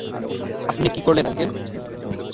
আপনি কী করলেন, আঙ্কেল?